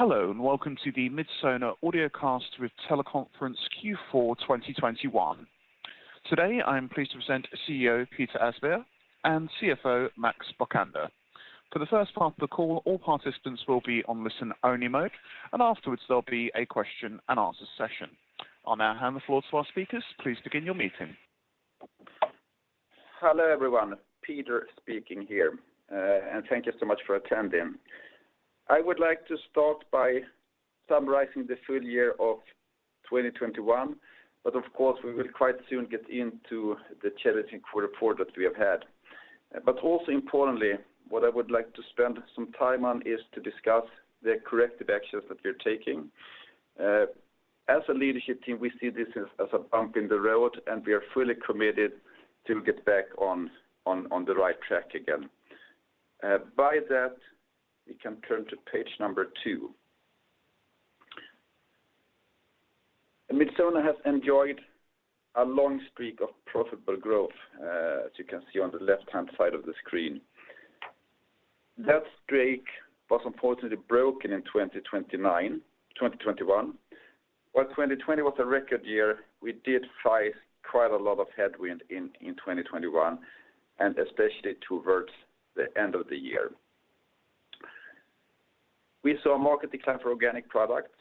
Hello, and welcome to the Midsona Audiocast with Teleconference Q4 2021. Today, I am pleased to present CEO Peter Åsberg and CFO Max Bokander. For the first part of the call, all participants will be on listen-only mode, and afterwards there'll be a question and answer session. I'll now hand the floor to our speakers. Please begin your meeting. Hello, everyone. Peter speaking here, and thank you so much for attending. I would like to start by summarizing the full year of 2021, but of course, we will quite soon get into the challenging quarter four that we have had. Also importantly, what I would like to spend some time on is to discuss the corrective actions that we're taking. As a leadership team, we see this as a bump in the road, and we are fully committed to get back on the right track again. By that, we can turn to page number two. Midsona has enjoyed a long streak of profitable growth, as you can see on the left-hand side of the screen. That streak was unfortunately broken in 2021. While 2020 was a record year, we did face quite a lot of headwind in 2021, and especially towards the end of the year. We saw a market decline for organic products,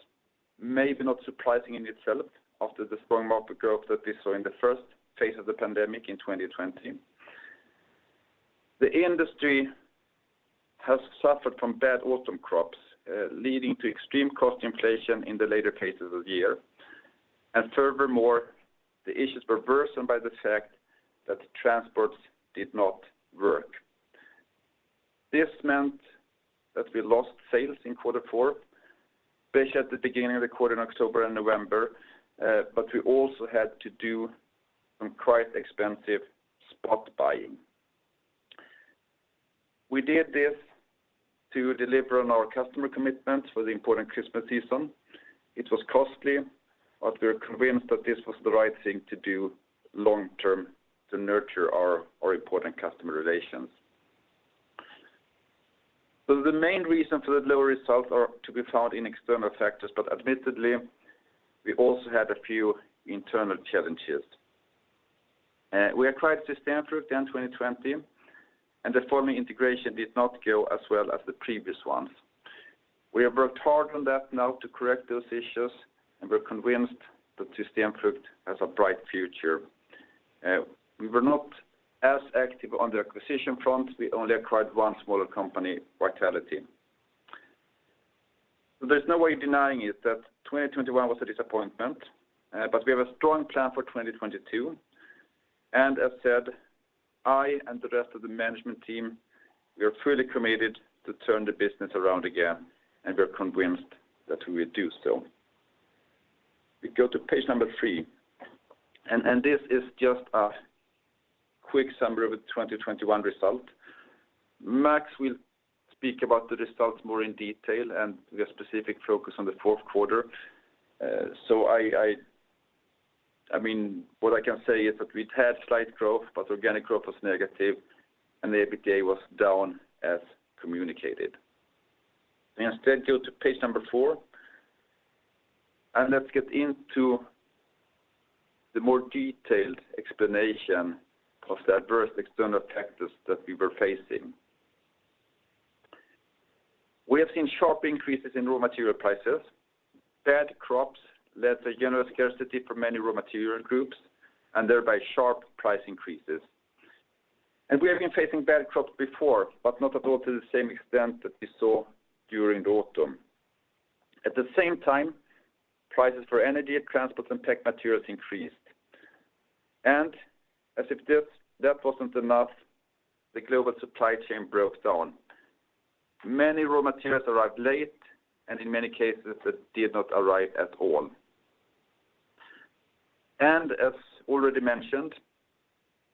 maybe not surprising in itself after the strong market growth that we saw in the first phase of the pandemic in 2020. The industry has suffered from bad autumn crops, leading to extreme cost inflation in the later phases of the year. Furthermore, the issues were worsened by the fact that the transports did not work. This meant that we lost sales in quarter four, especially at the beginning of the quarter in October and November, but we also had to do some quite expensive spot buying. We did this to deliver on our customer commitments for the important Christmas season. It was costly, but we are convinced that this was the right thing to do long term to nurture our important customer relations. The main reasons for the lower results are to be found in external factors, but admittedly, we also had a few internal challenges. We acquired System Frugt in 2020, and the integration did not go as well as the previous ones. We have worked hard on that now to correct those issues, and we're convinced that System Frugt has a bright future. We were not as active on the acquisition front. We only acquired one smaller company, Vitality. There's no way denying it that 2021 was a disappointment, but we have a strong plan for 2022. As said, I and the rest of the management team, we are fully committed to turn the business around again, and we're convinced that we will do so. We go to page number three, and this is just a quick summary of the 2021 result. Max will speak about the results more in detail and with a specific focus on the fourth quarter. I mean, what I can say is that we've had slight growth, but organic growth was negative and the EBITDA was down as communicated. We instead go to page number four, and let's get into the more detailed explanation of the adverse external factors that we were facing. We have seen sharp increases in raw material prices. Bad crops led to general scarcity for many raw material groups and thereby sharp price increases. We have been facing bad crops before, but not at all to the same extent that we saw during the autumn. At the same time, prices for energy and transport and pack materials increased. As if that wasn't enough, the global supply chain broke down. Many raw materials arrived late, and in many cases, it did not arrive at all. As already mentioned,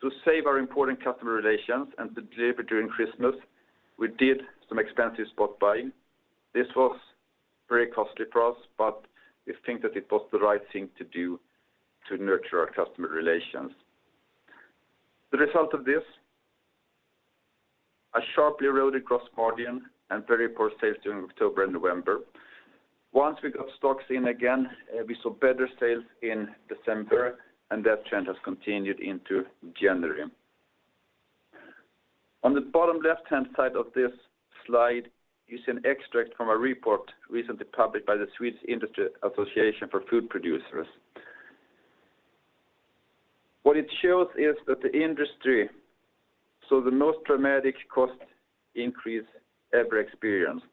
to save our important customer relations and to deliver during Christmas, we did some expensive spot buying. This was very costly for us, but we think that it was the right thing to do to nurture our customer relations. The result of this was a sharply eroded gross margin and very poor sales during October and November. Once we got stocks in again, we saw better sales in December, and that trend has continued into January. On the bottom left-hand side of this slide is an extract from a report recently published by the Swiss Industry Association for food producers. What it shows is that the industry saw the most dramatic cost increase ever experienced.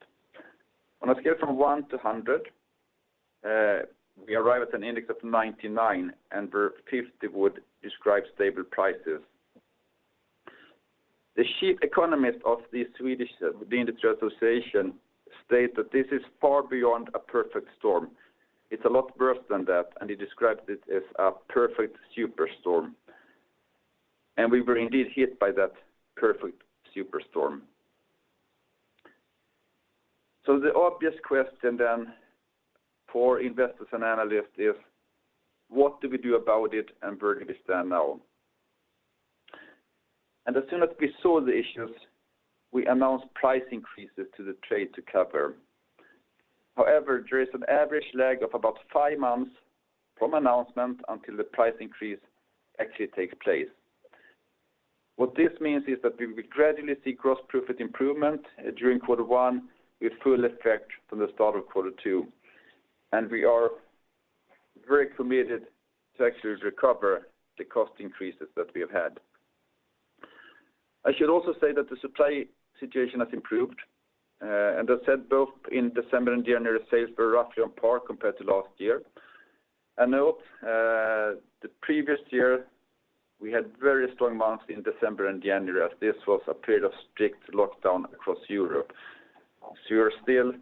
On a scale from 1 to 100, we arrive at an index of 99, and where 50 would describe stable prices. The chief economist of this Swedish Industry Association stated that this is far beyond a perfect storm. It's a lot worse than that, and he describes it as a perfect super storm. We were indeed hit by that perfect super storm. The obvious question then for investors and analysts is, what do we do about it and where do we stand now? As soon as we saw the issues, we announced price increases to the trade to cover. However, there is an average lag of about five months from announcement until the price increase actually takes place. What this means is that we will gradually see gross profit improvement during quarter one with full effect from the start of quarter two, and we are very committed to actually recover the cost increases that we have had. I should also say that the supply situation has improved, and as said both in December and January, sales were roughly on par compared to last year. Note, the previous year, we had very strong months in December and January as this was a period of strict lockdown across Europe. We are still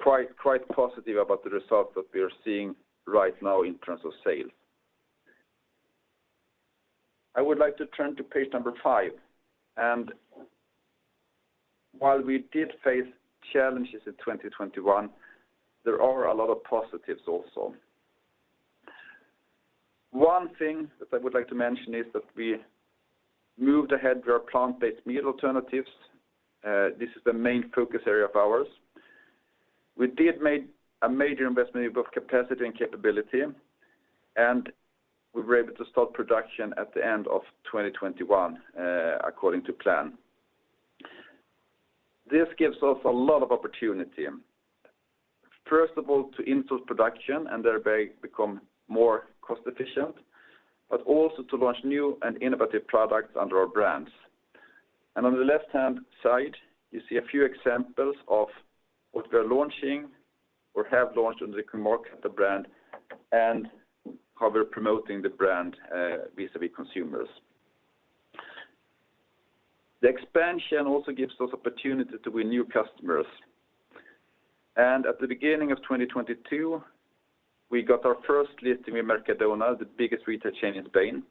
quite positive about the result that we are seeing right now in terms of sales. I would like to turn to page number five, while we did face challenges in 2021, there are a lot of positives also. One thing that I would like to mention is that we moved ahead with our plant-based meat alternatives. This is the main focus area of ours. We did made a major investment in both capacity and capability, and we were able to start production at the end of 2021 according to plan. This gives us a lot of opportunity, first of all to introduce production and thereby become more cost efficient, but also to launch new and innovative products under our brands. On the left-hand side, you see a few examples of what we are launching or have launched under the Knorr brand and how we're promoting the brand vis-a-vis consumers. The expansion also gives us opportunity to win new customers. At the beginning of 2022, we got our first listing in Mercadona, the biggest retail chain in Spain.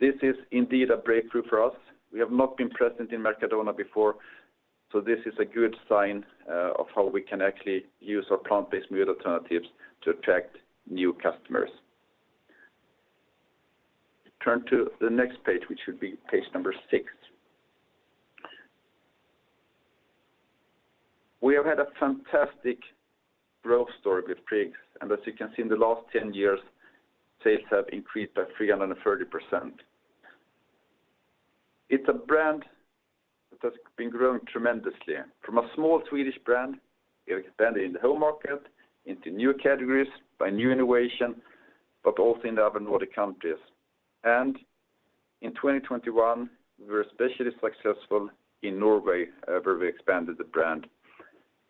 This is indeed a breakthrough for us. We have not been present in Mercadona before, so this is a good sign of how we can actually use our plant-based meat alternatives to attract new customers. Turn to the next page, which should be page six. We have had a fantastic growth story with Friggs, and as you can see, in the last 10 years, sales have increased by 330%. It's a brand that has been growing tremendously. From a small Swedish brand, we have expanded in the home market into new categories by new innovation, but also in the other Nordic countries. In 2021, we were especially successful in Norway, where we expanded the brand.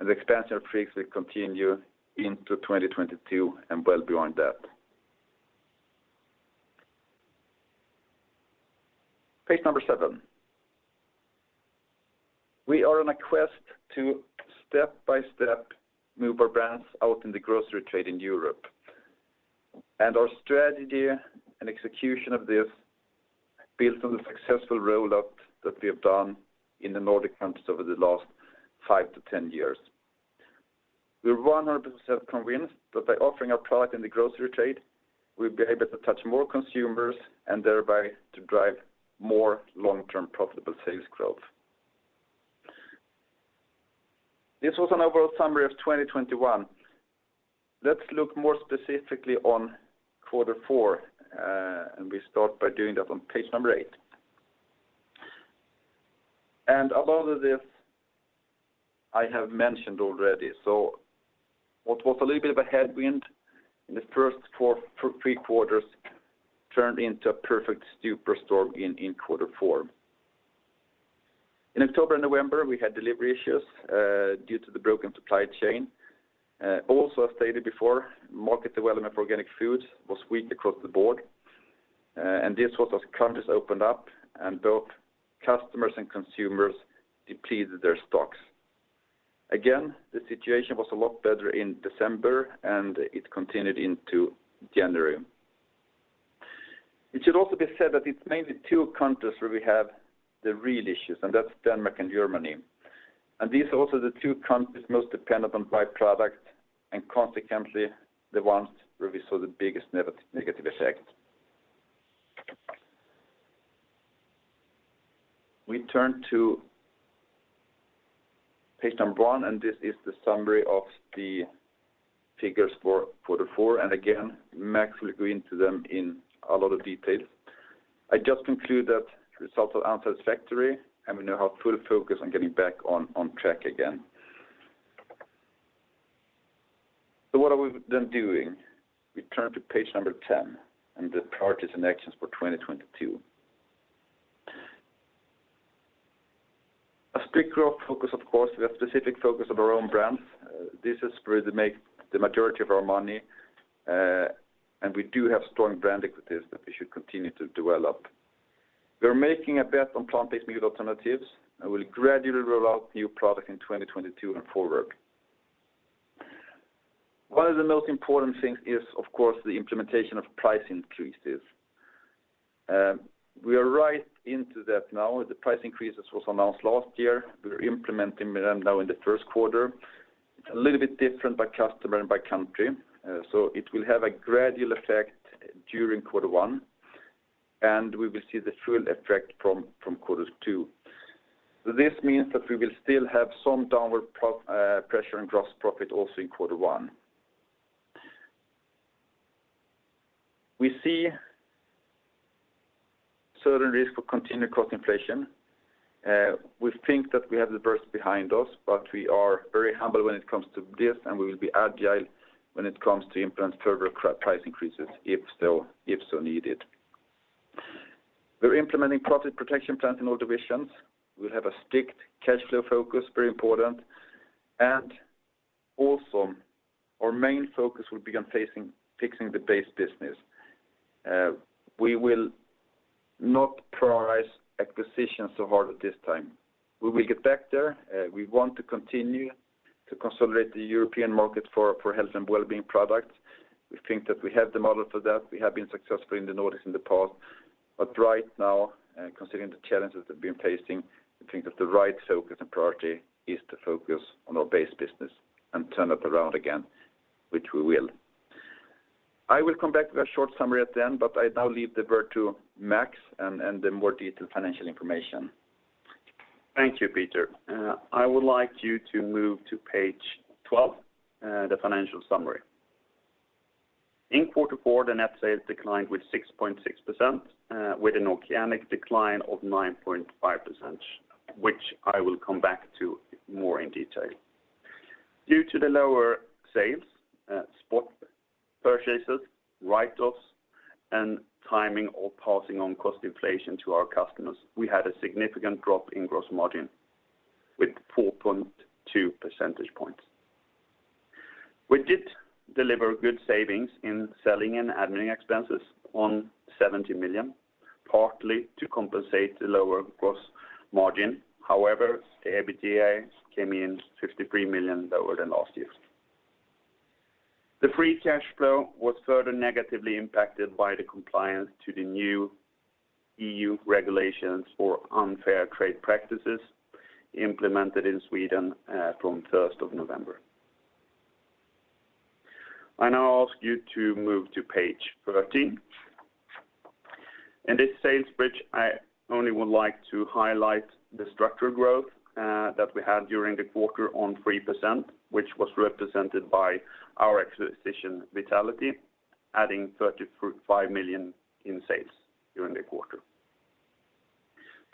The expansion of Pripps will continue into 2022 and well beyond that. Page number seven. We are on a quest to step-by-step move our brands out in the grocery trade in Europe. Our strategy and execution of this builds on the successful rollout that we have done in the Nordic countries over the last five to 10 years. We are 100% convinced that by offering our product in the grocery trade, we'll be able to touch more consumers and thereby to drive more long-term profitable sales growth. This was an overall summary of 2021. Let's look more specifically on quarter four, and we start by doing that on page number eight. A lot of this I have mentioned already, so what was a little bit of a headwind in the first three quarters turned into a perfect super storm in quarter four. In October and November, we had delivery issues due to the broken supply chain. Also as stated before, market development for organic foods was weak across the board, and this was as countries opened up and both customers and consumers depleted their stocks. Again, the situation was a lot better in December, and it continued into January. It should also be said that it's mainly two countries where we have the real issues, and that's Denmark and Germany. These are also the two countries most dependent on dried products, and consequently, the ones where we saw the biggest negative effect. We turn to page one, and this is the summary of the figures for quarter four, and again, Max will go into them in a lot of detail. I just conclude that results are unsatisfactory, and we now have full focus on getting back on track again. What are we then doing? We turn to page 10 and the priorities and actions for 2022. A strict growth focus, of course, with specific focus of our own brands. This is where they make the majority of our money, and we do have strong brand equities that we should continue to develop. We are making a bet on plant-based meat alternatives and will gradually roll out new product in 2022 and forward. One of the most important things is, of course, the implementation of price increases. We are right into that now. The price increases was announced last year. We are implementing them now in the first quarter. A little bit different by customer and by country. So it will have a gradual effect during quarter one, and we will see the full effect from quarter two. This means that we will still have some downward pressure and gross profit also in quarter one. We see certain risk for continued cost inflation. We think that we have the worst behind us, but we are very humble when it comes to this, and we will be agile when it comes to implement further price increases if so needed. We're implementing profit protection plans in all divisions. We'll have a strict cash flow focus, very important. Also our main focus will be on fixing the base business. We will not prioritize acquisitions so hard at this time. We will get back there. We want to continue to consolidate the European market for health and wellbeing products. We think that we have the model for that. We have been successful in the Nordics in the past, but right now, considering the challenges that we're facing, we think that the right focus and priority is to focus on our base business and turn it around again, which we will. I will come back with a short summary at the end, but I now leave the word to Max and the more detailed financial information. Thank you, Peter. I would like you to move to page 12, the financial summary. In quarter four, the net sales declined 6.6%, with an organic decline of 9.5%, which I will come back to more in detail. Due to the lower sales, spot purchases, write-offs, and timing or passing on cost inflation to our customers, we had a significant drop in gross margin with 4.2 percentage points. We did deliver good savings in selling and admin expenses of 70 million, partly to compensate the lower gross margin. However, the EBITDA came in 53 million lower than last year. The free cash flow was further negatively impacted by the compliance to the new EU regulations for unfair trade practices implemented in Sweden, from the first of November. I now ask you to move to page 13. In this sales bridge, I only would like to highlight the structural growth that we had during the quarter on 3%, which was represented by our acquisition Vitality adding 35 million in sales during the quarter.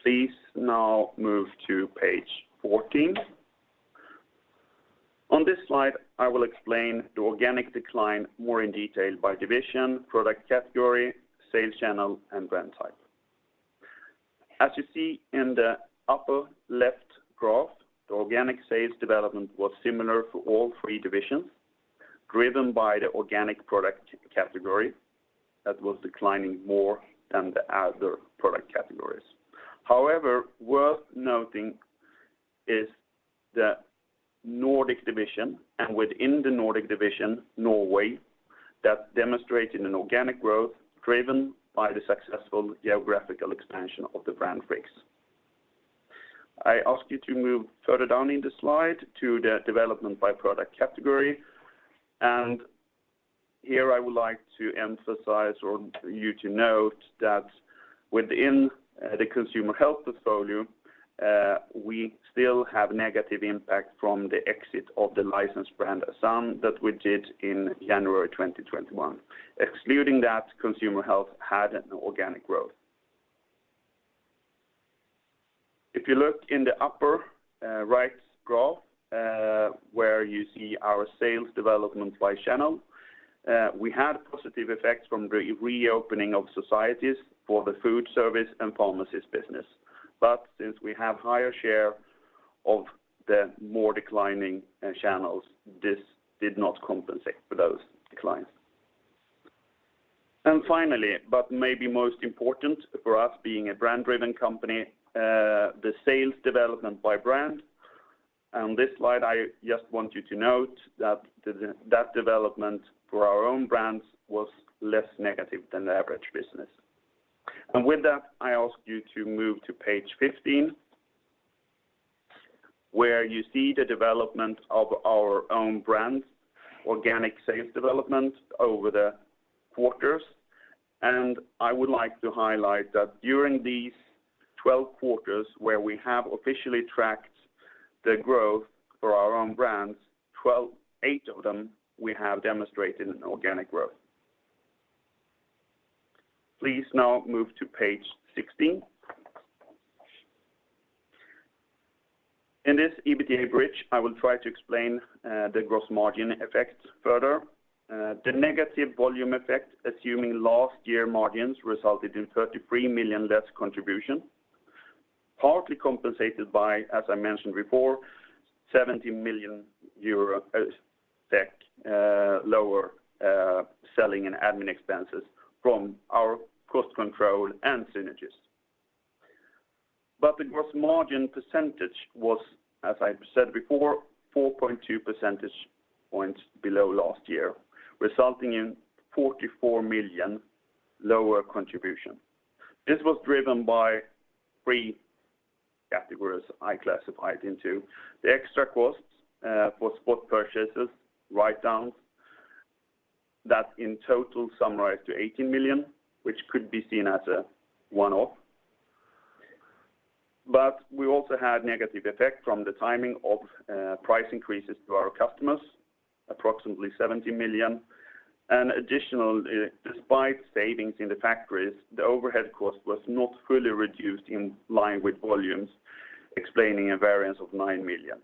Please now move to page 14. On this slide, I will explain the organic decline more in detail by division, product category, sales channel, and brand type. As you see in the upper left graph, the organic sales development was similar for all three divisions, driven by the organic product category that was declining more than the other product categories. However, worth noting is the Nordic division, and within the Nordic division, Norway, that demonstrated an organic growth driven by the successful geographical expansion of the brand Friggs. I ask you to move further down in the slide to the development by product category. Here I would like to emphasize or you to note that within the consumer health portfolio, we still have negative impact from the exit of the licensed brand A.Vogel that we did in January 2021. Excluding that, consumer health had an organic growth. If you look in the upper right graph, where you see our sales development by channel, we had positive effects from reopening of societies for the food service and pharmacy business. Since we have higher share of the more declining channels, this did not compensate for those declines. Finally, but maybe most important for us being a brand-driven company, the sales development by brand. On this slide, I just want you to note that development for our own brands was less negative than the average business. With that, I ask you to move to page 15, where you see the development of our own brands, organic sales development over the quarters. I would like to highlight that during these 12 quarters where we have officially tracked the growth for our own brands, eight of them we have demonstrated an organic growth. Please now move to page 16. In this EBITDA bridge, I will try to explain the gross margin effects further. The negative volume effect, assuming last year margins resulted in 33 million less contribution, partly compensated by, as I mentioned before, 70 million euro lower selling and admin expenses from our cost control and synergies. The gross margin percentage was, as I said before, 4.2 percentage points below last year, resulting in 44 million lower contribution. This was driven by three categories I classified into the extra costs for spot purchases, write-downs that in total summarize to 18 million, which could be seen as a one-off. We also had negative effect from the timing of price increases to our customers, approximately 70 million. Additional, despite savings in the factories, the overhead cost was not fully reduced in line with volumes, explaining a variance of 9 million.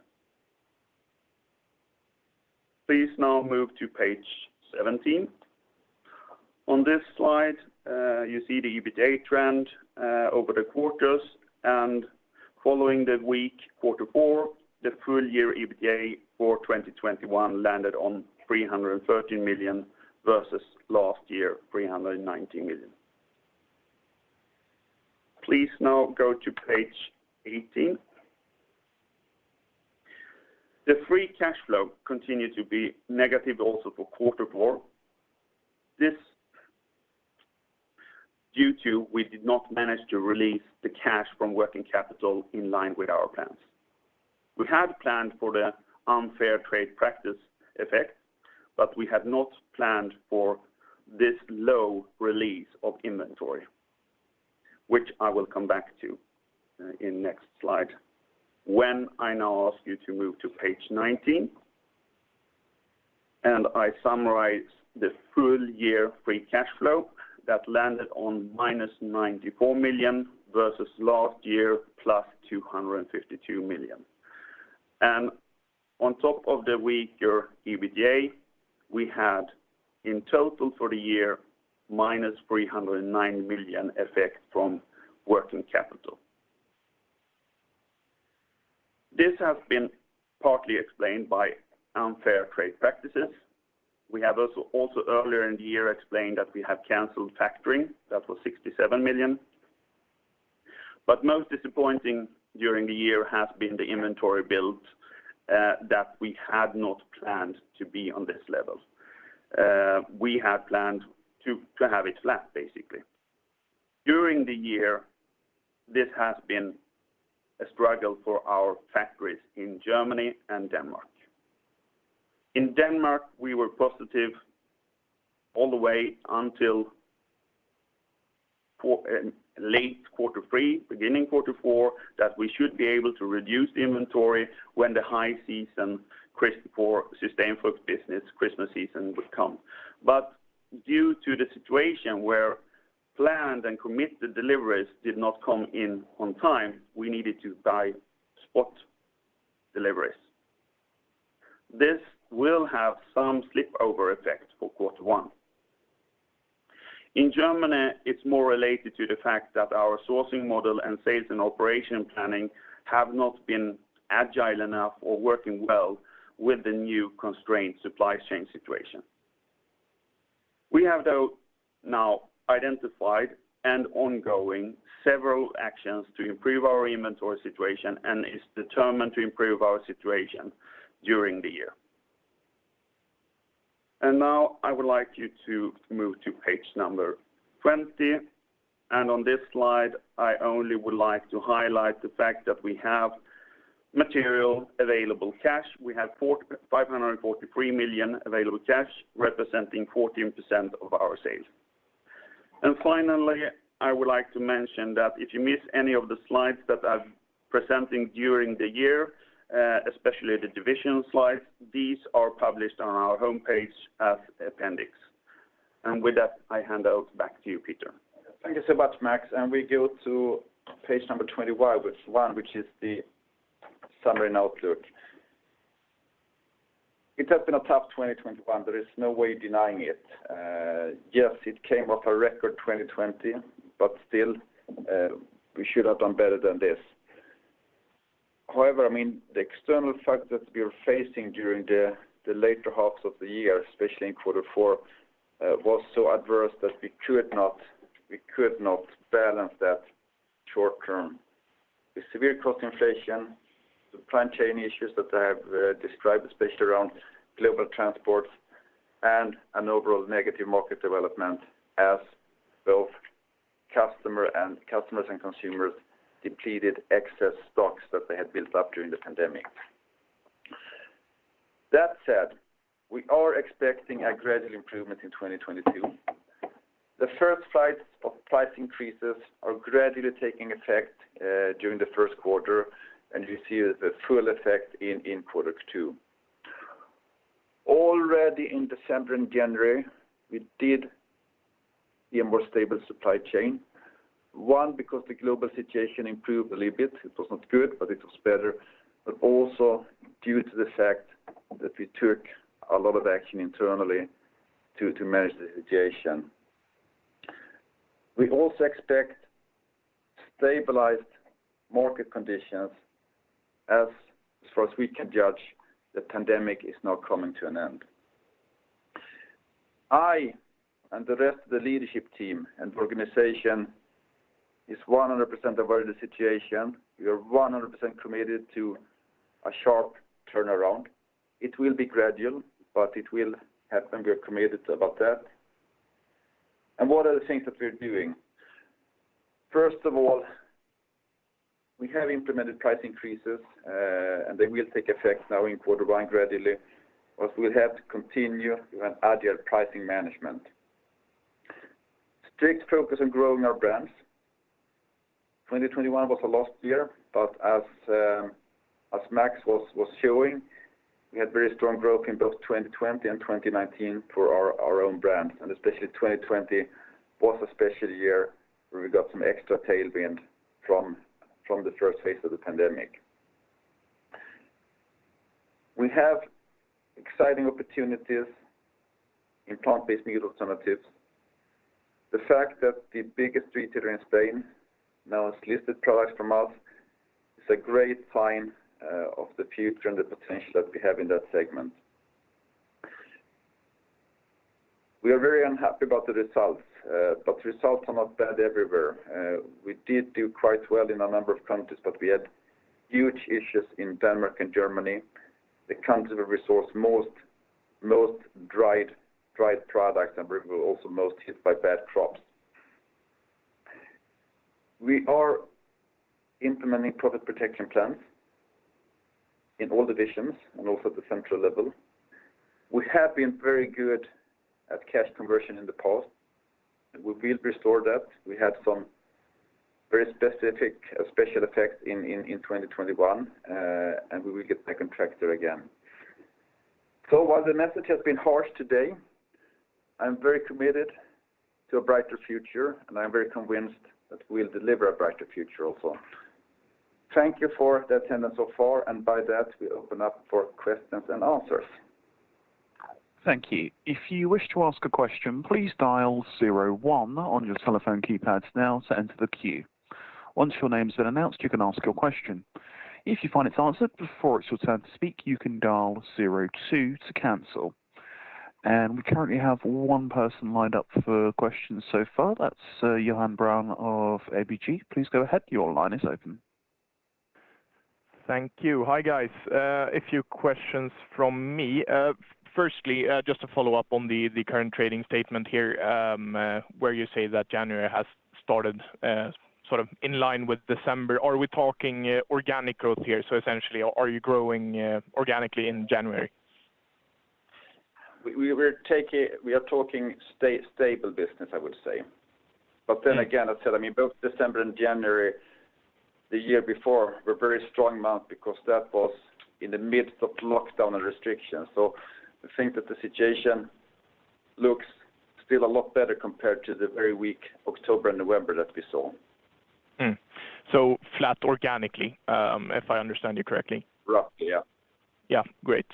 Please now move to page 17. On this slide, you see the EBITDA trend over the quarters, and following the weak quarter four, the full year EBITDA for 2021 landed on 313 million versus last year, 319 million. Please now go to page 18. The free cash flow continued to be negative also for quarter four. This due to we did not manage to release the cash from working capital in line with our plans. We had planned for the unfair trading practice effect, but we had not planned for this low release of inventory, which I will come back to in next slide when I now ask you to move to page 19. I summarize the full year free cash flow that landed on -94 million versus last year +252 million. On top of the weaker EBITDA, we had in total for the year -309 million effect from working capital. This has been partly explained by unfair trading practices. We have also earlier in the year explained that we have canceled factoring. That was 67 million. Most disappointing during the year has been the inventory build that we had not planned to be on this level. We had planned to have it flat basically. During the year, this has been a struggle for our factories in Germany and Denmark. In Denmark, we were positive all the way until late quarter three, beginning quarter four, that we should be able to reduce the inventory when the high season for System Frugt's business, Christmas season would come. Due to the situation where planned and committed deliveries did not come in on time, we needed to buy spot deliveries. This will have some spillover effect for quarter one. In Germany, it's more related to the fact that our sourcing model and sales and operation planning have not been agile enough or working well with the new constrained supply chain situation. We have though now identified and ongoing several actions to improve our inventory situation and is determined to improve our situation during the year. Now I would like you to move to page number 20. On this slide, I only would like to highlight the fact that we have material available cash. We have 543 million available cash representing 14% of our sales. Finally, I would like to mention that if you miss any of the slides that I'm presenting during the year, especially the division slides, these are published on our homepage as appendix. With that, I hand it back to you, Peter. Thank you so much, Max. We go to page number 21, which is the summary and outlook. It has been a tough 2021. There is no way denying it. Yes, it came off a record 2020, but still, we should have done better than this. However, I mean, the external factors we are facing during the later halves of the year, especially in quarter four, was so adverse that we could not balance that short term. The severe cost inflation, the supply chain issues that I have described, especially around global transport and an overall negative market development as both customers and consumers depleted excess stocks that they had built up during the pandemic. That said, we are expecting a gradual improvement in 2022. The first flights of price increases are gradually taking effect during the first quarter, and you see the full effect in quarter two. Already in December and January, we did a more stable supply chain. One, because the global situation improved a little bit. It was not good, but it was better. Also due to the fact that we took a lot of action internally to manage the situation. We also expect stabilized market conditions as far as we can judge the pandemic is now coming to an end. I and the rest of the leadership team and organization is 100% aware of the situation. We are 100% committed to A sharp turnaround. It will be gradual, but it will happen. We are committed about that. What are the things that we're doing? First of all, we have implemented price increases, and they will take effect now in quarter one gradually, as we'll have to continue with an agile pricing management. Strict focus on growing our brands. 2021 was a lost year, but as Max was showing, we had very strong growth in both 2020 and 2019 for our own brands, and especially 2020 was a special year where we got some extra tailwind from the first phase of the pandemic. We have exciting opportunities in plant-based meat alternatives. The fact that the biggest retailer in Spain now has listed products from us is a great sign of the future and the potential that we have in that segment. We are very unhappy about the results, but results are not bad everywhere. We did do quite well in a number of countries, but we had huge issues in Denmark and Germany, the countries that source most dried products, and we were also most hit by bad crops. We are implementing profit protection plans in all divisions and also at the central level. We have been very good at cash conversion in the past, and we will restore that. We had some very specific special effects in 2021, and we will get back on track there again. While the message has been harsh today, I'm very committed to a brighter future, and I'm very convinced that we'll deliver a brighter future also. Thank you for the attention so far, and by that, we open up for questions and answers. Thank you. If you wish to ask a question, please dial zero one on your telephone keypads now to enter the queue. Once your name's been announced, you can ask your question. If you find it's answered before it's your turn to speak, you can dial zero two to cancel. We currently have one person lined up for questions so far. That's Johan Braun of ABG. Please go ahead. Your line is open. Thank you. Hi, guys. A few questions from me. Firstly, just to follow up on the current trading statement here, where you say that January has started sort of in line with December. Are we talking organic growth here? Essentially, are you growing organically in January? We are talking stable business, I would say. I'd say that both December and January, the year before, were very strong months because that was in the midst of lockdown and restrictions. I think that the situation looks still a lot better compared to the very weak October and November that we saw. Flat organically, if I understand you correctly? Roughly, yeah. Yeah. Great.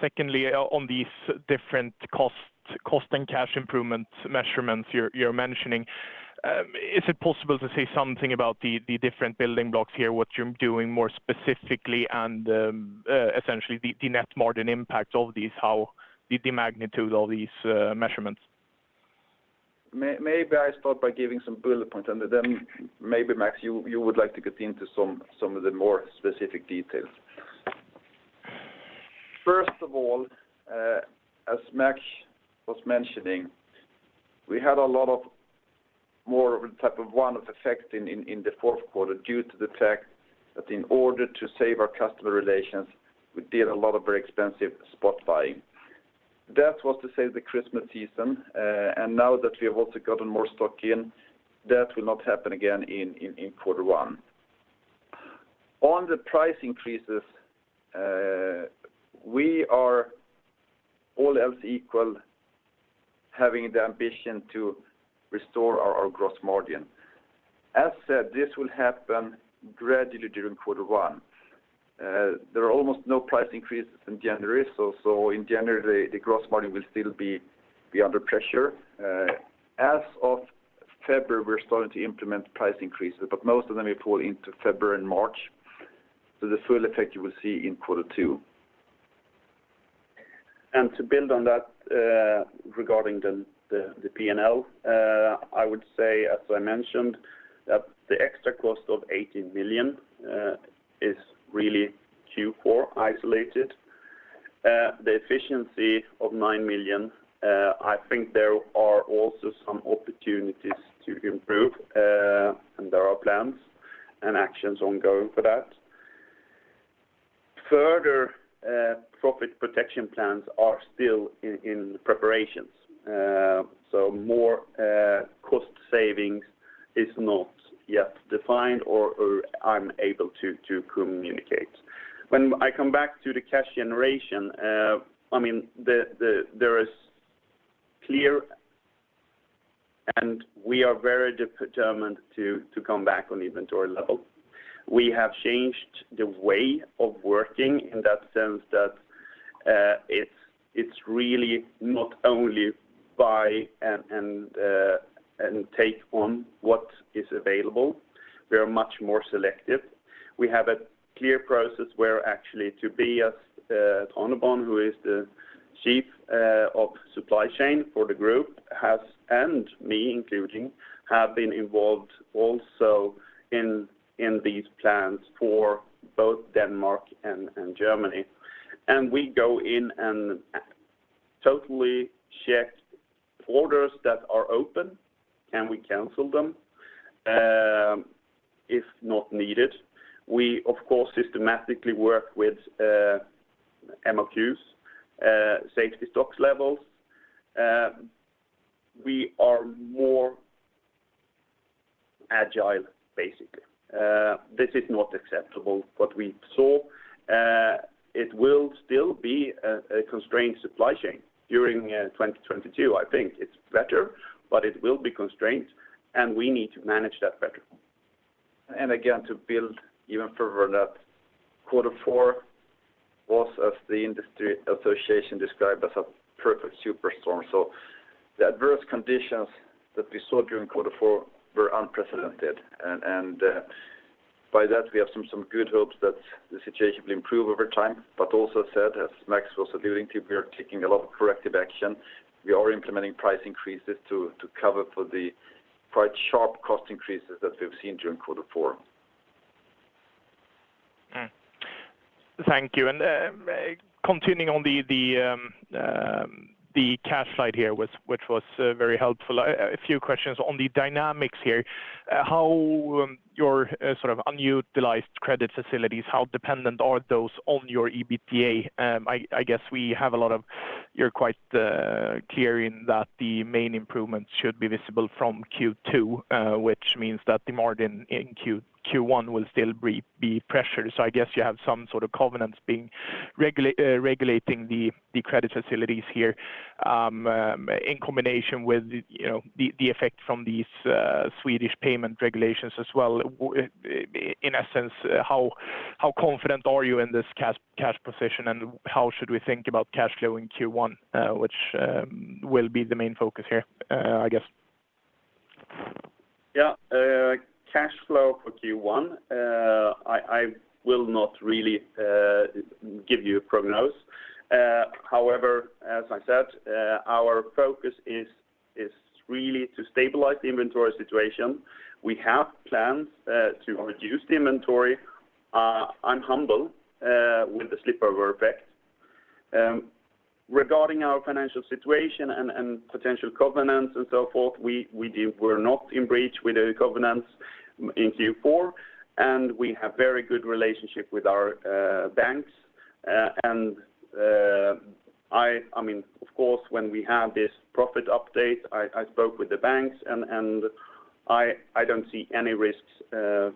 Secondly, on these different cost and cash improvement measurements you're mentioning, is it possible to say something about the different building blocks here, what you're doing more specifically and essentially the net margin impact of these, how the magnitude of these measurements? I start by giving some bullet points, and then maybe Max, you would like to get into some of the more specific details. First of all, as Max was mentioning, we had a lot of more type of one-off effect in the fourth quarter due to the fact that in order to save our customer relations, we did a lot of very expensive spot buying. That was to save the Christmas season, and now that we have also gotten more stock in, that will not happen again in quarter one. On the price increases, we are all else equal, having the ambition to restore our gross margin. As said, this will happen gradually during quarter one. There are almost no price increases in January, so in January, the gross margin will still be under pressure. As of February, we're starting to implement price increases, but most of them we pull into February and March. The full effect you will see in quarter two. To build on that, regarding the P&L, I would say, as I mentioned, that the extra cost of 80 million is really Q4 isolated. The efficiency of 9 million, I think there are also some opportunities to improve, and there are plans and actions ongoing for that. Further, profit protection plans are still in preparations. More cost savings is not yet defined or I'm able to communicate. When I come back to the cash generation, I mean, there is clarity and we are very determined to come back on the inventory level. We have changed the way of working in that sense that it's really not only buy and take on what is available. We are much more selective. We have a clear process where actually Tobias Tannebaum, who is the chief of supply chain for the group, has, including me, have been involved also in these plans for both Denmark and Germany. We go in and totally checked orders that are open and we cancel them if not needed. We of course systematically work with MOQs, safety stock levels. We are more agile, basically. This is not acceptable what we saw. It will still be a constrained supply chain during 2022. I think it's better, but it will be constrained, and we need to manage that better. Again, to build even further that quarter four was as the industry association described as a perfect storm. The adverse conditions that we saw during quarter four were unprecedented. By that we have some good hopes that the situation will improve over time, but also said, as Max was alluding to, we are taking a lot of corrective action. We are implementing price increases to cover for the quite sharp cost increases that we've seen during quarter four. Thank you. Continuing on the cash slide here which was very helpful. A few questions on the dynamics here. How your sort of unutilized credit facilities, how dependent are those on your EBITDA? I guess we have a lot of. You're quite clear in that the main improvements should be visible from Q2, which means that the margin in Q1 will still be pressured. I guess you have some sort of covenants being regulating the credit facilities here, in combination with, you know, the effect from these Swedish payment regulations as well. In essence, how confident are you in this cash position, and how should we think about cash flow in Q1, which will be the main focus here, I guess? Yeah. Cash flow for Q1, I will not really give you a prognosis. However, as I said, our focus is really to stabilize the inventory situation. We have plans to reduce the inventory. I'm humbled with the spillover effect. Regarding our financial situation and potential covenants and so forth, we're not in breach with the covenants in Q4, and we have very good relationship with our banks. I mean, of course, when we have this profit update, I spoke with the banks and I don't see any risks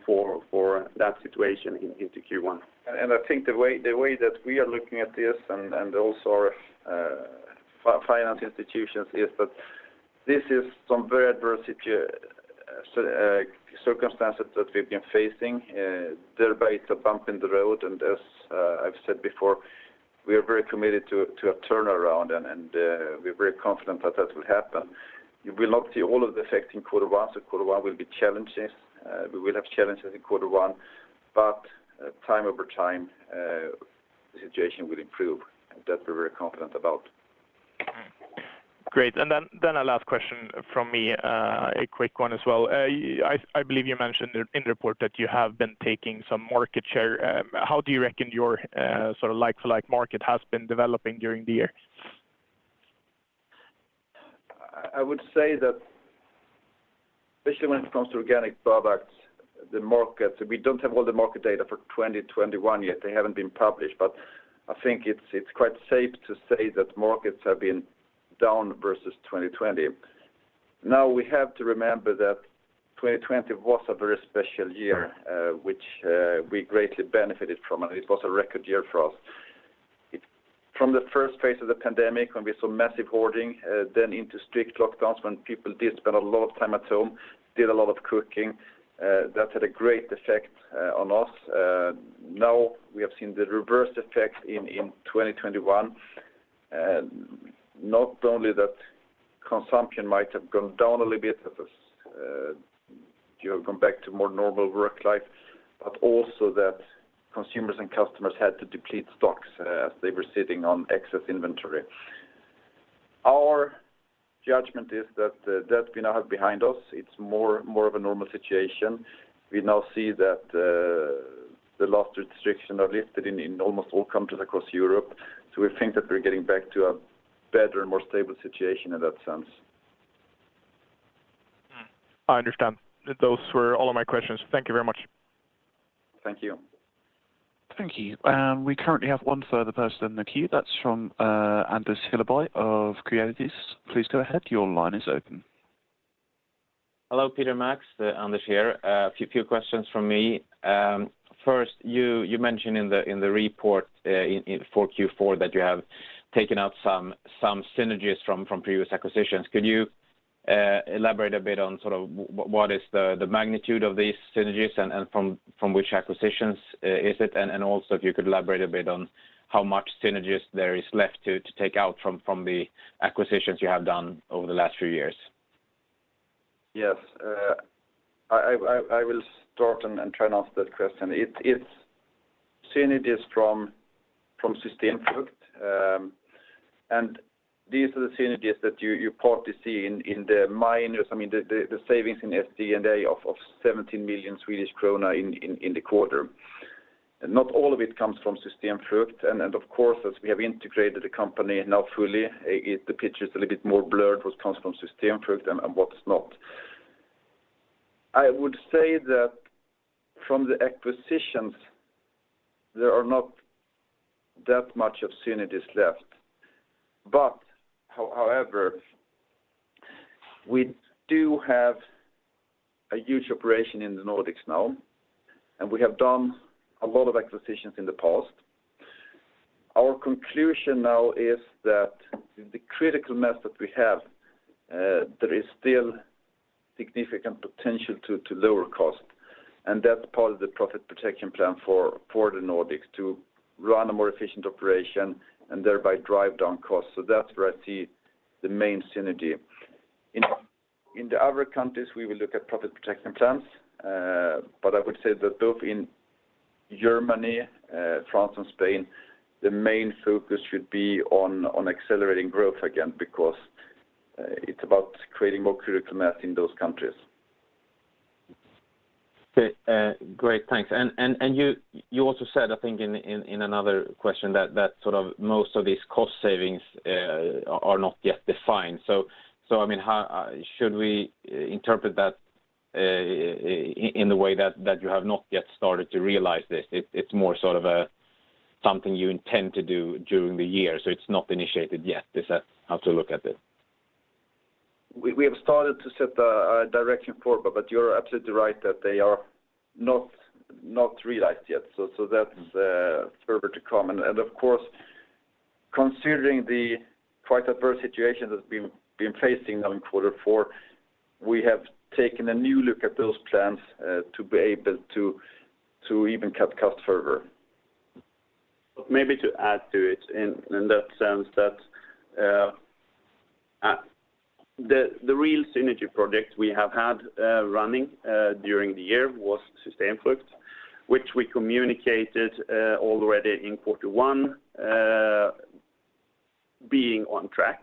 for that situation into Q1. I think the way that we are looking at this and also our finance institutions is that this is some very adverse circumstances that we've been facing. Thereby it's a bump in the road, and as I've said before, we are very committed to a turnaround and we're very confident that will happen. You will not see all of the effect in quarter one, so quarter one will be challenges. We will have challenges in quarter one, but time over time the situation will improve, and that we're very confident about. Great. Then a last question from me, a quick one as well. I believe you mentioned in the report that you have been taking some market share. How do you reckon your sort of like for like market has been developing during the year? I would say that especially when it comes to organic products, the markets. We don't have all the market data for 2021 yet. They haven't been published, but I think it's quite safe to say that markets have been down versus 2020. Now, we have to remember that 2020 was a very special year. Mm Which we greatly benefited from, and it was a record year for us. From the first phase of the pandemic when we saw massive hoarding, then into strict lockdowns when people did spend a lot of time at home, did a lot of cooking, that had a great effect on us. Now we have seen the reverse effect in 2021. Not only that consumption might have gone down a little bit as you have gone back to more normal work life, but also that consumers and customers had to deplete stocks as they were sitting on excess inventory. Our judgment is that we now have behind us. It's more of a normal situation. We now see that the last restrictions are lifted in almost all countries across Europe, so we think that we're getting back to a better and more stable situation in that sense. I understand. Those were all of my questions. Thank you very much. Thank you. Thank you. We currently have one further person in the queue. That's from Anders Hillerborg of Redeye. Please go ahead. Your line is open. Hello, Peter and Max. Anders here. A few questions from me. First, you mentioned in the report for Q4 that you have taken out some synergies from previous acquisitions. Could you elaborate a bit on sort of what is the magnitude of these synergies and from which acquisitions is it? Also, if you could elaborate a bit on how much synergies there is left to take out from the acquisitions you have done over the last few years? Yes. I will start and try and answer that question. It's synergies from System Frugt. These are the synergies that you partly see in the minus. I mean the savings in SG&A of 17 million Swedish krona in the quarter. Not all of it comes from System Frugt, and of course, as we have integrated the company now fully, the picture's a little bit more blurred what comes from System Frugt and what's not. I would say that from the acquisitions, there are not that much of synergies left. However, we do have a huge operation in the Nordics now, and we have done a lot of acquisitions in the past. Our conclusion now is that the critical mass that we have, there is still significant potential to lower cost, and that's part of the profit protection plan for the Nordics to run a more efficient operation, and thereby drive down costs. That's where I see the main synergy. In the other countries, we will look at profit protection plans, but I would say that both in Germany, France and Spain, the main focus should be on accelerating growth again, because it's about creating more critical mass in those countries. Okay. Great. Thanks. You also said, I think in another question that sort of most of these cost savings are not yet defined. I mean, how should we interpret that in the way that you have not yet started to realize this? It's more sort of a something you intend to do during the year, so it's not initiated yet. Is that how to look at it? We have started to set the direction forward, but you're absolutely right that they are not realized yet. That's further to come. Of course, considering the quite adverse situation that we've been facing now in quarter four, we have taken a new look at those plans to be able to even cut costs further. Maybe to add to it in that sense that the real synergy project we have had running during the year was System Frugt, which we communicated already in quarter one being on track.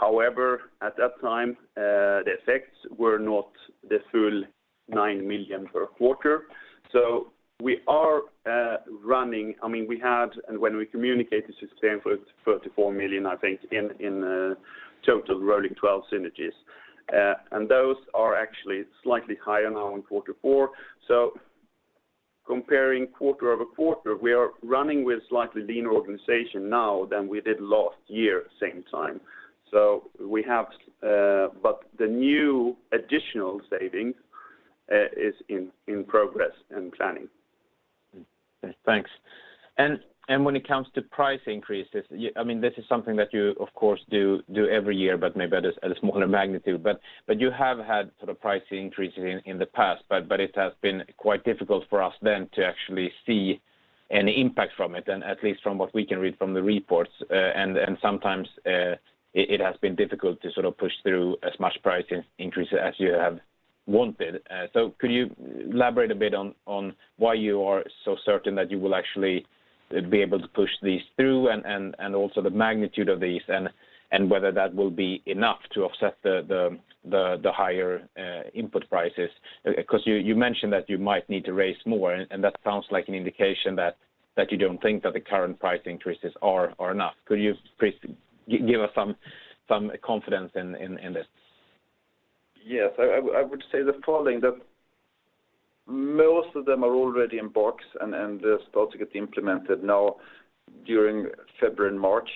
However, at that time, the effects were not the full 9 million per quarter. We are running and when we communicated System Frugt, 34 million, I think, in total rolling 12 synergies. Those are actually slightly higher now in quarter four. Comparing quarter-over-quarter, we are running with slightly leaner organization now than we did last year same time. We have but the new additional savings is in progress and planning. Thanks. When it comes to price increases, I mean, this is something that you of course do every year, but maybe at a smaller magnitude. You have had sort of price increases in the past, but it has been quite difficult for us then to actually see any impact from it, and at least from what we can read from the reports. Sometimes it has been difficult to sort of push through as much price increase as you have wanted. Could you elaborate a bit on why you are so certain that you will actually be able to push these through and also the magnitude of these and whether that will be enough to offset the higher input prices? Because you mentioned that you might need to raise more, and that sounds like an indication that you don't think that the current price increases are enough. Could you please give us some confidence in this? Yes. I would say the following, that most of them are already in box and they'll start to get implemented now during February and March.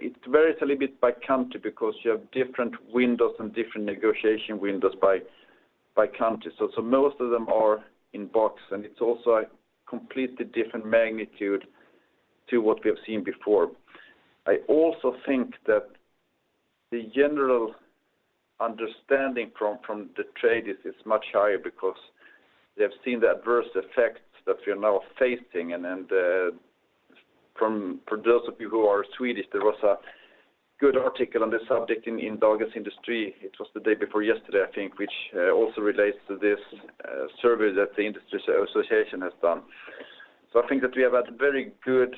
It varies a little bit by country because you have different windows and different negotiation windows by country. Most of them are in box, and it's also a completely different magnitude to what we have seen before. I also think that the general understanding from the trade is much higher because they have seen the adverse effects that we are now facing. For those of you who are Swedish, there was a good article on this subject in Dagens industri. It was the day before yesterday, I think, which also relates to this survey that the industry association has done. I think that we have had very good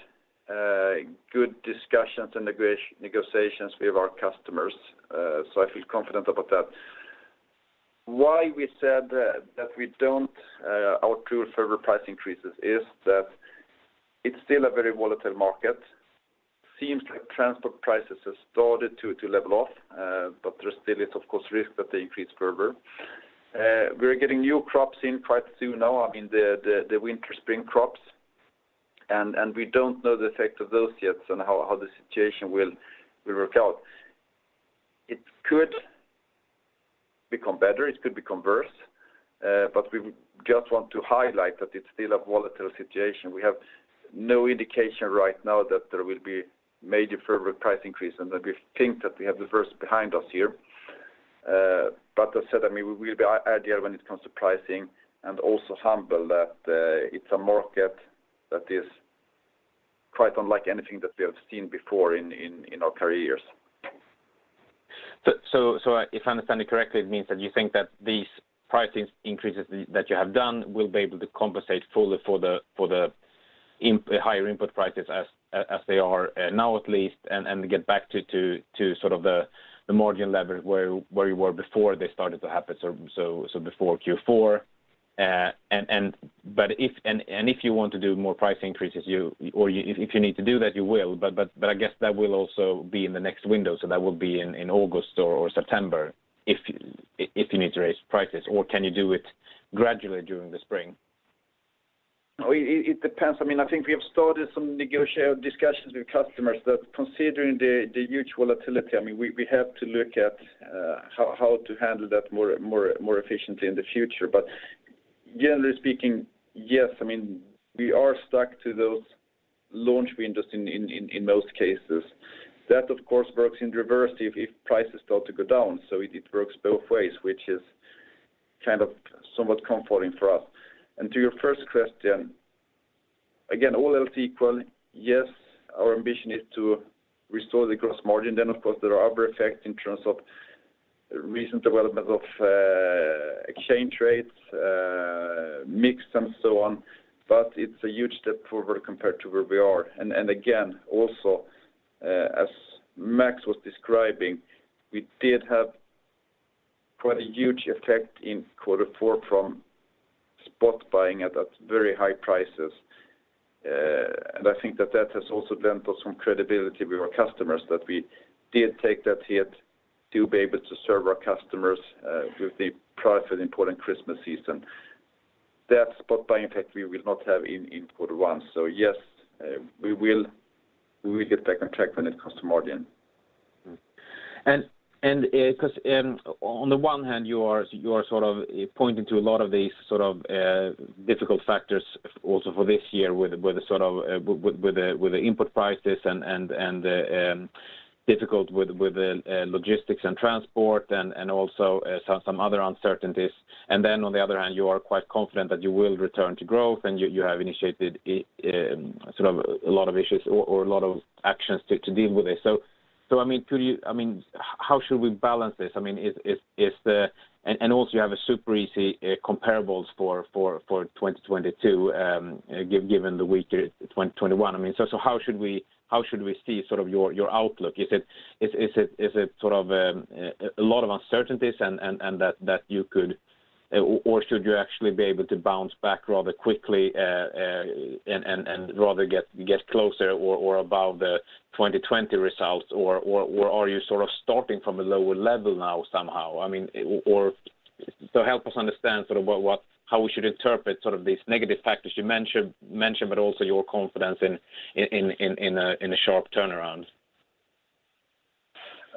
discussions and negotiations with our customers, so I feel confident about that. Why we said that we don't accrue further price increases is that it's still a very volatile market. Seems like transport prices have started to level off, but there still is of course risk that they increase further. We're getting new crops in quite soon now, I mean the winter spring crops, and we don't know the effect of those yet on how the situation will work out. It could become better, it could become worse, but we just want to highlight that it's still a volatile situation. We have no indication right now that there will be major further price increase, and that we think that we have the worst behind us here. As said, I mean, we will be agile when it comes to pricing and also humble that it's a market that is quite unlike anything that we have seen before in our careers. If I understand you correctly, it means that you think that these price increases that you have done will be able to compensate fully for the higher input prices as they are now at least, and get back to sort of the margin level where you were before they started to happen, so before Q4. If you want to do more price increases, if you need to do that, you will. I guess that will also be in the next window. That will be in August or September if you need to raise prices, or can you do it gradually during the spring? No, it depends. I mean, I think we have started some discussions with customers, considering the huge volatility. I mean, we have to look at how to handle that more efficiently in the future. But generally speaking, yes. I mean, we are stuck to those launch windows in most cases. That of course works in reverse if prices start to go down. So it works both ways, which is kind of somewhat comforting for us. To your first question, again, all else equal, yes, our ambition is to restore the gross margin. Of course, there are other effects in terms of recent development of exchange rates, mix and so on, but it's a huge step forward compared to where we are. And then again also as Max was describing, we did have quite a huge effect in quarter four from spot buying at very high prices. I think that has also lent us some credibility with our customers that we did take that hit to be able to serve our customers with the price at important Christmas season. That spot buying effect we will not have in quarter one. Yes, we will get back on track when it comes to margin. Because on the one hand, you are sort of pointing to a lot of these sort of difficult factors also for this year with the input prices and difficult with logistics and transport and also some other uncertainties. On the other hand, you are quite confident that you will return to growth, and you have initiated sort of a lot of initiatives or a lot of actions to deal with this. I mean, how should we balance this? I mean, is the and also you have a super easy comparables for 2022, given the weaker 2021. I mean, how should we see sort of your outlook? Is it sort of a lot of uncertainties and that you could or should you actually be able to bounce back rather quickly, and rather get closer or above the 2020 results, or are you sort of starting from a lower level now somehow? I mean, or so help us understand sort of what, how we should interpret sort of these negative factors you mentioned, but also your confidence in a sharp turnaround.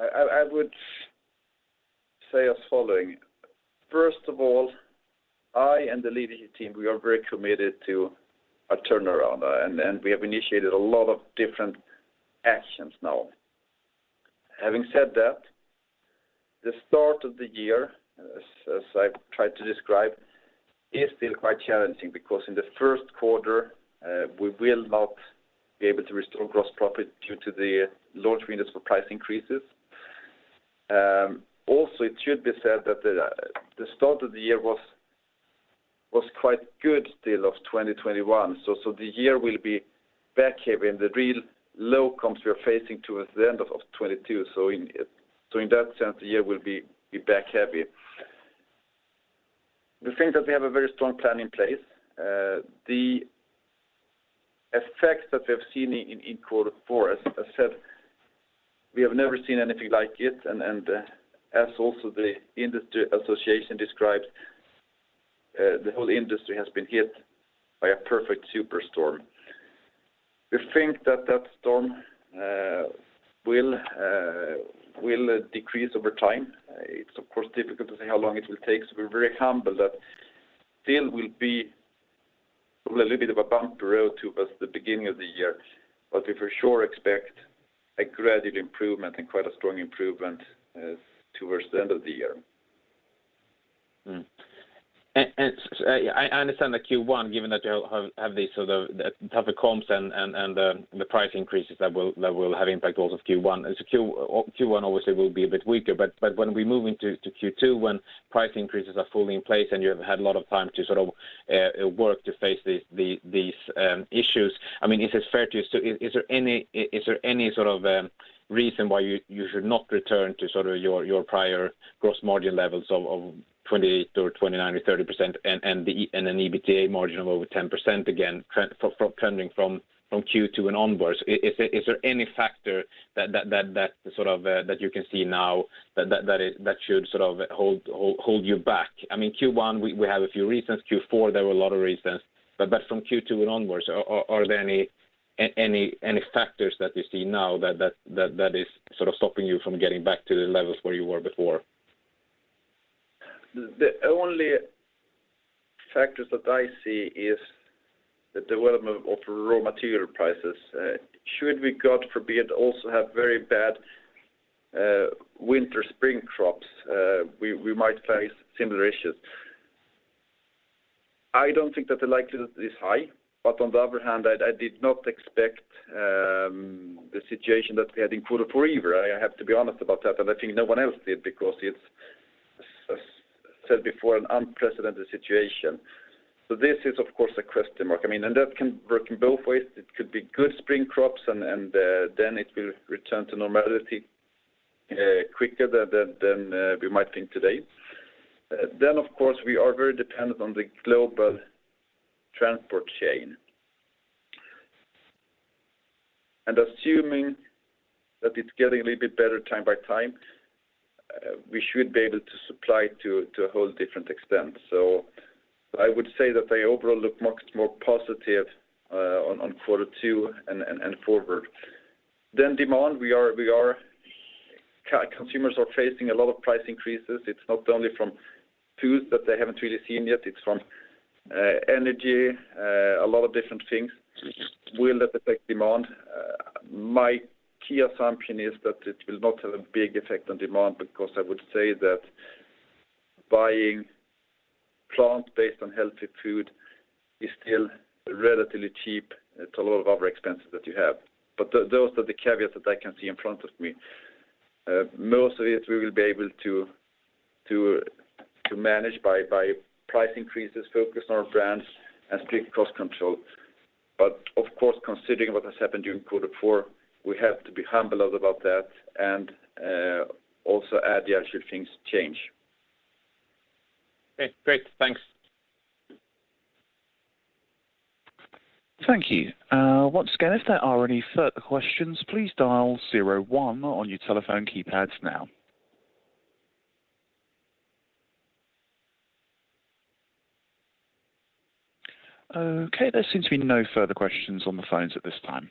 I would say as follows: First of all, I and the leadership team, we are very committed to a turnaround, and we have initiated a lot of different actions now. Having said that, the start of the year, as I've tried to describe, is still quite challenging because in the first quarter, we will not be able to restore gross profit due to the launch windows for price increases. Also, it should be said that the start of the year was quite good still of 2021. The year will be back heavy, and the real low comps we are facing towards the end of 2022. In that sense, the year will be back heavy. The thing that we have a very strong plan in place, the effects that we have seen in quarter four, as said, we have never seen anything like it, and as also the industry association describes, the whole industry has been hit by a perfect storm. We think that storm will decrease over time. It's of course difficult to say how long it will take, so we're very humble that still will be a little bit of a bumpy road towards the beginning of the year. We for sure expect a gradual improvement and quite a strong improvement towards the end of the year. I understand that Q1, given that you have these sort of tougher comps and the price increases that will have impact also Q1. Q1 obviously will be a bit weaker, but when we move into Q2, when price increases are fully in place and you have had a lot of time to sort of work through these issues, I mean, is there any sort of reason why you should not return to sort of your prior gross margin levels of 28% or 29% or 30% and an EBITDA margin of over 10% again, trending from Q2 and onwards? Is there any factor that you can see now that should sort of hold you back? I mean, Q1, we have a few reasons. Q4, there were a lot of reasons. From Q2 onwards, are there any factors that you see now that is sort of stopping you from getting back to the levels where you were before? The only factors that I see is the development of raw material prices. Should we, God forbid, also have very bad winter spring crops, we might face similar issues. I don't think that the likelihood is high, but on the other hand, I did not expect the situation that we had in quarter four either. I have to be honest about that, and I think no one else did because, as said before, an unprecedented situation. This is of course a question mark. I mean, and that can work in both ways. It could be good spring crops and then it will return to normality quicker than we might think today. Of course, we are very dependent on the global transport chain. Assuming that it's getting a little bit better time by time, we should be able to supply to a whole different extent. I would say that I overall look much more positive on quarter two and forward. Demand, consumers are facing a lot of price increases. It's not only from foods that they haven't really seen yet, it's from energy, a lot of different things. Will that affect demand? My key assumption is that it'll not have a big effect on demand because I would say that buying plant-based and healthy food is still relatively cheap to a lot of other expenses that you have. But those are the caveats that I can see in front of me. Most of it, we will be able to to manage by price increases, focus on our brands, and strict cost control. Of course, considering what has happened during quarter four, we have to be humble about that and, also add yeah, should things change. Okay, great. Thanks. Thank you. Once again, if there are any further questions, please dial zero one on your telephone keypads now. Okay, there seems to be no further questions on the phones at this time.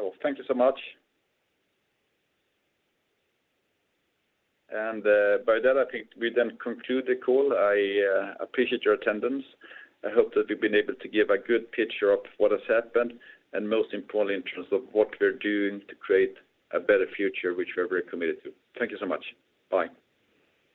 Well, thank you so much. By that, I think we then conclude the call. I appreciate your attendance. I hope that we've been able to give a good picture of what has happened, and most importantly, in terms of what we're doing to create a better future, which we're very committed to. Thank you so much. Bye.